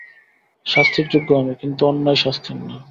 শাস্তির যোগ্য আমি, কিন্তু অন্যায় শাস্তির না।